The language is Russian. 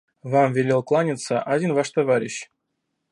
Вам велел кланяться один ваш товарищ